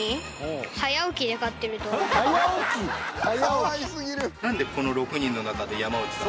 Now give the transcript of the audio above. かわいすぎる。